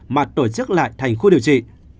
mà tổ chức lại thành khu điều trị